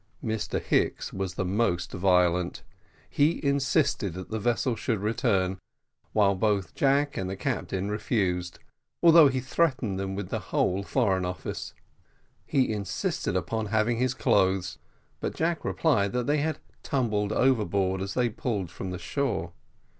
Mr Hicks was the most violent; he insisted that the vessel should return, while both Jack and the captain refused, although he threatened them with the whole Foreign Office. He insisted upon having his clothes, but Jack replied that they had tumbled overboard as they pulled from the shore.